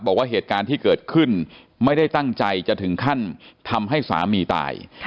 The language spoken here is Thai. บอกว่าเหตุการณ์ที่เกิดขึ้นไม่ได้ตั้งใจจะถึงขั้นทำให้สามีตาย